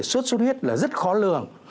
suốt suốt huyết là rất khó lương